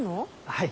はい。